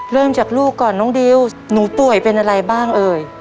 เริ่มจากลูกก่อนน้องดิวหนูป่วยเป็นอะไรบ้างเอ่ย